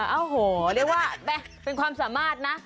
โอ้โหเรียกว่าเป็นความสามารถนะ